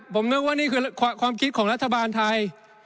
ผมนึกว่านี่คือความคิดของรัฐบาลไทย